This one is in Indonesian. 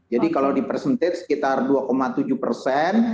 jadi kalau di percentage sekitar dua tujuh persen